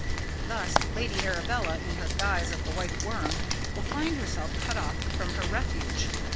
Thus Lady Arabella, in her guise of the White Worm, will find herself cut off from her refuge.